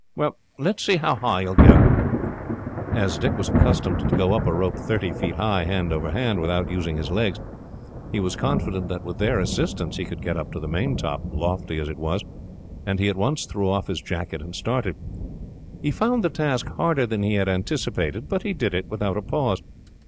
"Well, let us see how high you will get." As Dick was accustomed to go up a rope thirty feet high, hand over hand, without using his legs, he was confident that, with their assistance, he could get up to the main top, lofty as it was, and he at once threw off his jacket and started. He found the task harder than he had anticipated, but he did it without a pause.